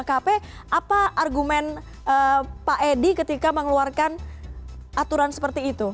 apa argumen pak edi ketika mengeluarkan aturan seperti itu